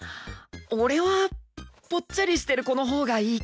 俺はぽっちゃりしてる子のほうがいいかな。